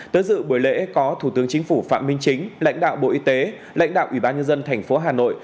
tới dự buổi lễ có thủ tướng chính phủ phạm minh chính lãnh đạo bộ y tế lãnh đạo ủy ban nhân dân thành phố hà nội